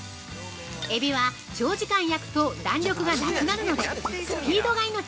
◆エビは長時間焼くと弾力がなくなるのでスピードが命！